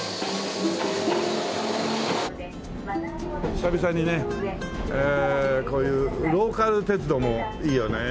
久々にねこういうローカル鉄道もいいよね。